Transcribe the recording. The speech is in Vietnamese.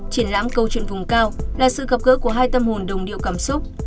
triển lãm câu chuyện vùng cao là sự gặp gỡ của hai tâm hồn đồng điệu cảm xúc